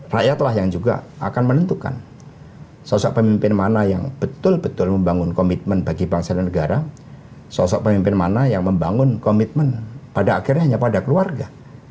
rakyatlah yang juga akan menentukan sosok pemimpin mana yang betul betul membangun komitmen bagi bangsa dan negara sosok pemimpin mana yang membangun komitmen pada akhirnya hanya pada keluarga